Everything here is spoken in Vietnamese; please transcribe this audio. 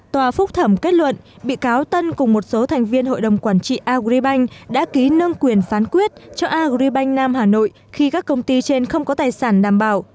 tòa phúc thẩm kết luận bị cáo tân cùng một số thành viên hội đồng quản trị agribank đã ký nâng quyền phán quyết cho agribank nam hà nội khi các công ty trên không có tài sản đảm bảo